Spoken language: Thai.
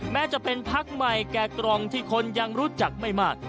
แม้จะเป็นพักใหม่แก่กล่องที่คนยังรู้จักไม่มาก